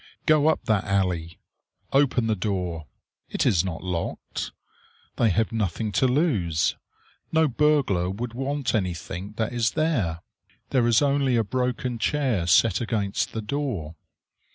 Go up that alley! Open the door. It is not locked. They have nothing to lose. No burglar would want anything that is there. There is only a broken chair set against the door.